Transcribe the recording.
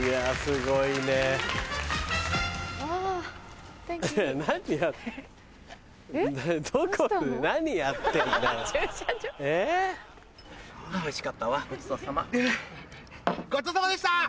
ごちそうさまでした！